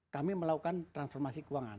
kami melakukan transformasi keuangan